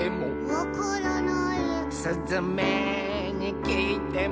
「わからない」「すずめにきいても」